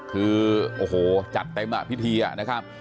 คือโอ้โหจัดแต่มาพิธีอ่ะนะครับ